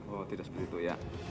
oh tidak seperti itu ya